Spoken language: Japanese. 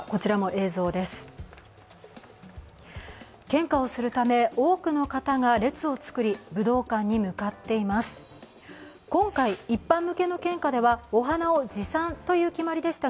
献花をするため、多くの方が列を作り、武道館に向かっています。